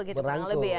kurang lebih ya